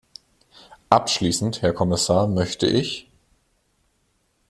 Abschließend, Herr Kommissar, möchte ich...